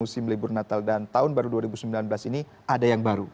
musim libur natal dan tahun baru dua ribu sembilan belas ini ada yang baru